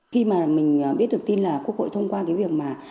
khi mà mình biết được tin là quốc hội thông qua cái việc mà